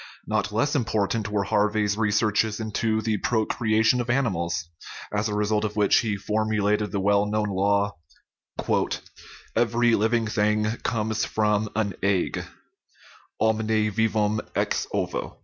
Not less important were Harvey's researches into the procrea tion of animals, as a result of which he formulated the well known law :" Every living thing comes from an egg " (omne vivum ex ovo).